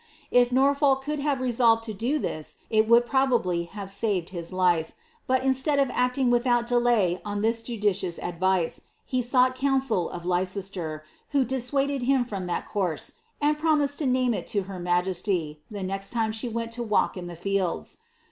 If Norfolk could motved to do this, it would probably have saved his life; but ini BLIlAiBTH. tlftf of acting withoat delay on this judieious adrice, he sooght cminsel of Leicester, who dissoaded him from that conne, and promised to name it to her majesty, the next time she went to walk in the fields.